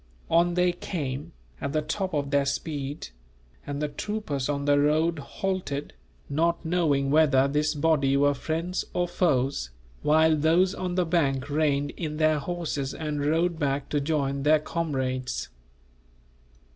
On they came, at the top of their speed; and the troopers on the road halted, not knowing whether this body were friends or foes, while those on the bank reined in their horses, and rode back to join their comrades.